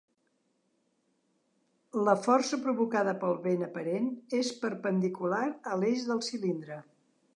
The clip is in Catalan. La força provocada pel vent aparent és perpendicular a l'eix del cilindre.